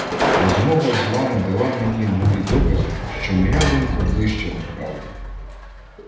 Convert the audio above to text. Розмова з вами дала мені нові докази, що моя думка ближча до правди.